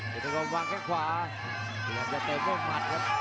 พี่สาดแดงก็วางแค่งขวาเดี๋ยวจะเติมร่วมมัดครับ